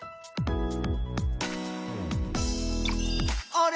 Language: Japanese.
あれ？